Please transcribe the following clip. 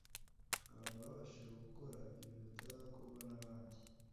abantu babashije gukora ibintu bitarakorwa n’abandi